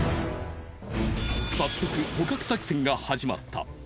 早速捕獲作戦が始まった。